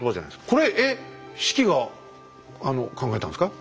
これえっ子規が考えたんですか？